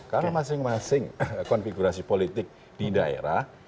karena masing masing konfigurasi politik di daerah